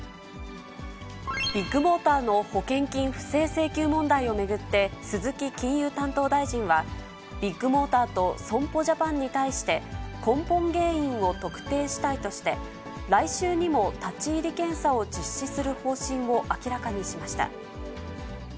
ビッグモーターの保険金不正請求問題を巡って、鈴木金融担当大臣は、ビッグモーターと損保ジャパンに対して根本原因を特定したいとして、来週にも立ち入り検査を実施する方針を明らかにしました。